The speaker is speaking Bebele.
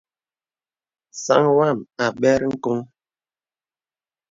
Sāŋ wam a bɛr ŋ̀koŋ.